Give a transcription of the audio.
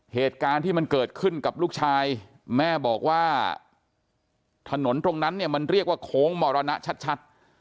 เหตุการณ์ที่มันเกิดขึ้นกับลูกชายแม่บอกว่าถนนตรงนั้นเนี่ยมันเรียกว่าโค้งมรณะชัด